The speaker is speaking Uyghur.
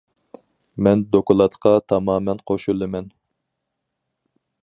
مەن دوكلاتقا تامامەن قوشۇلىمەن.